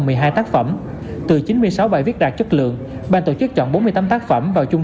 mình dạy rất rõ khi học trung